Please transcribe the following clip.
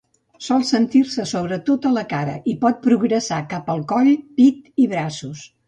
Sol sentir-se sobretot a la cara i pot progressar cap al coll, pit i braços.